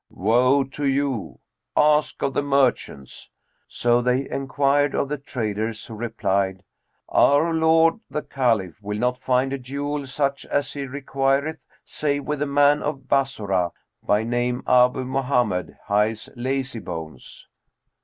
Woe to you! Ask of the merchants." So they enquired of the traders, who replied, "Our lord the Caliph will not find a jewel such as he requireth save with a man of Bassorah, by name Abъ Mohammed highs Lazybones."